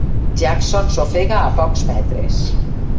Jackson s'ofega a pocs metres.